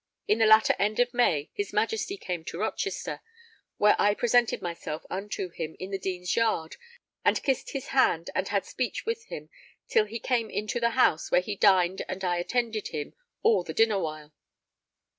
In the latter end of May his Majesty came to Rochester, where I presented myself unto him in the Dean's Yard and kissed his hand and had speech with him, till he came into the house, where he dined and I attended him all the dinner while.